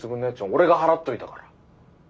俺が払っといたから。